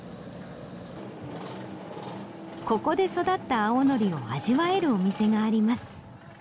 ここで育った青のりを味わえるお店があります。